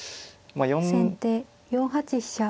先手４八飛車。